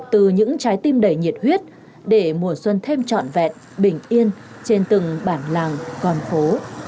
từ những trái tim đầy nhiệt huyết để mùa xuân thêm trọn vẹn bình yên trên từng bản làng con phố